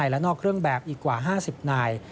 และนอกเครื่องแบบอีกกว่า๕๐นาย